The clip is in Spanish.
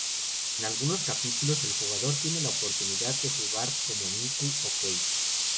En algunos capítulos, el jugador tiene la oportunidad de jugar como Miku o Kei.